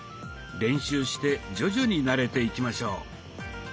練習して徐々に慣れていきましょう。